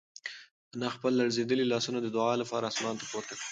انا خپل لړزېدلي لاسونه د دعا لپاره اسمان ته پورته کړل.